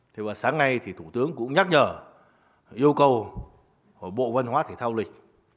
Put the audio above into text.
thì vào sáng nay thì thủ tướng cũng nhắc nhở yêu cầu bộ văn hóa thể thao lịch